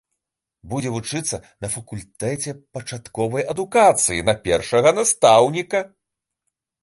Будзе вучыцца на факультэце пачатковай адукацыі на першага настаўніка.